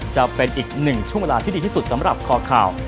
จะเป็นอีกหนึ่งช่วงเวลาที่ดีที่สุดสำหรับคอข่าว